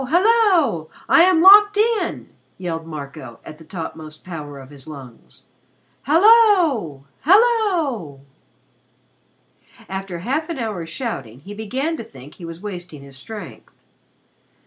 Hallo! I am locked in!" yelled Marco, at the topmost power of his lungs. "Hallo! Hallo!" After half an hour's shouting, he began to think that he was wasting his strength.